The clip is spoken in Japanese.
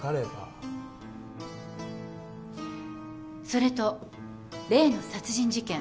それと例の殺人事件